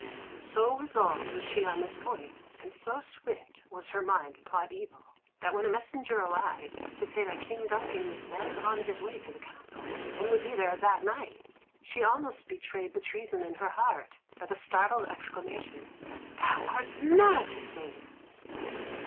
So resolved was she on this point, and so swift was her mind to plot evil, that when a messenger arrived to say that King Duncan was then on his way to the castle, and would be there that night, she almost betrayed the treason in her heart by the startled exclamation, "Thou art mad to say it!"